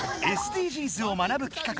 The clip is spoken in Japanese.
ＳＤＧｓを学ぶき